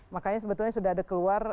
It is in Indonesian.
makanya sebetulnya sudah ada keluar